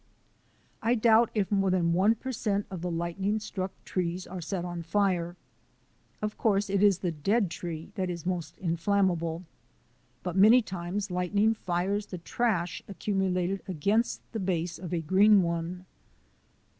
I doubt if more than one per cent of the lightning struck trees are set on fire. Of course it is the dead tree that is most inflammable, but many times lightning fires the trash accumulated against the base of a green tree.